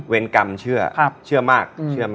เวรกรรมเชื่อเชื่อมาก